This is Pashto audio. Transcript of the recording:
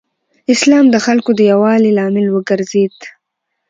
اسلام د خلکو د یووالي لامل وګرځېد.